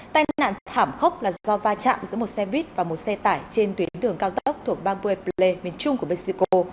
tai nạn thảm khốc là do va chạm giữa một xe buýt và một xe tải trên tuyến đường cao tốc thuộc bamboue plei miền trung của mexico